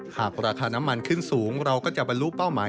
หากราคาน้ำมันขึ้นสูงเราก็จะบรรลุเป้าหมาย